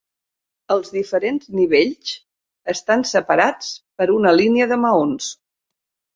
Els diferents nivells estan separats per una línia de maons.